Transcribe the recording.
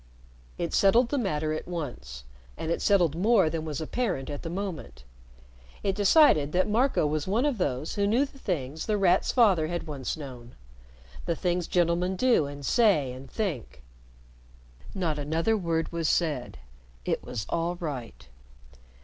It settled the matter at once, and it settled more than was apparent at the moment. It decided that Marco was one of those who knew the things The Rat's father had once known the things gentlemen do and say and think. Not another word was said. It was all right.